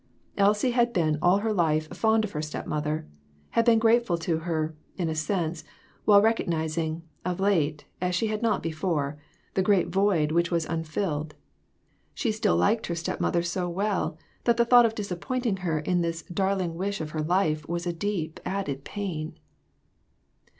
Elsie had been all her life fond of her step mother ; had been grateful to her, in a sense, and while recognizing, of late, as she had not before, the great void which was unfilled, she still liked her step mother so well that the thought of disappointing her in this dar ling wish of her life was a deep, added pain.